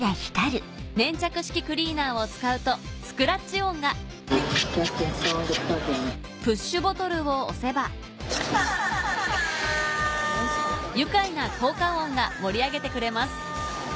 粘着式クリーナーを使うとスクラッチ音がプッシュボトルを押せば愉快な効果音が盛り上げてくれます